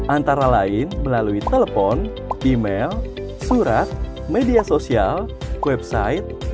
antara lain melalui telepon email surat media sosial website